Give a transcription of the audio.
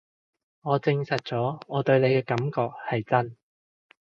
我證實咗我對你嘅感覺係真